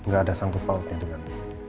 gak ada sanggup pautnya dengan